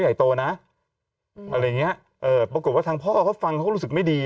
ใหญ่โตนะอะไรเนี่ยปรากฏว่าทางพ่อเขาฟังเขารู้สึกไม่ดี